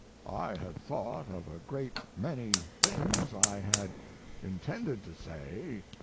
I had thought of a great many things I had intended to say.